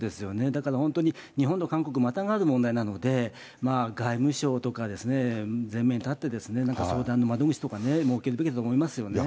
だから、本当に日本と韓国またがる問題なので、外務省とか、前面に立って、なんか相談の窓口とかね、設けるべきだと思いますよね。